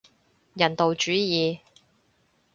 人道主義